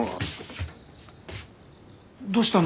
どうしたの？